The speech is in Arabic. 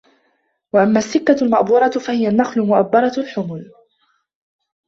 وَأَمَّا السِّكَّةُ الْمَأْبُورَةُ فَهِيَ النَّخْلُ الْمُؤَبَّرَةُ الْحُمُلُ